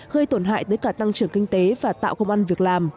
gây tổn hại tới cả tăng trưởng kinh tế và tạo công an việc làm